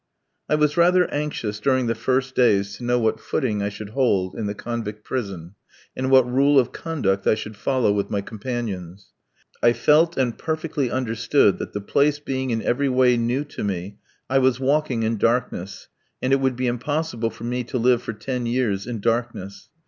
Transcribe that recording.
I was rather anxious during the first days to know what footing I should hold in the convict prison, and what rule of conduct I should follow with my companions. I felt and perfectly understood that the place being in every way new to me, I was walking in darkness, and it would be impossible for me to live for ten years in darkness.